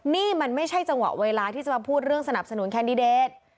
นี่มันไม่ใช่จังหวะเวลาที่จะมาพูดเรื่องสนับสนุนแคนดิเดต